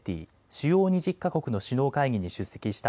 主要２０か国の首脳会議に出席した